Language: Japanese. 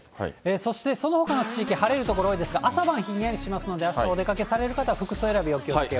そしてそのほかの地域、晴れる所、多いですが、朝晩ひんやりしますので、あすお出かけされる方は服装選び、お気をつけを。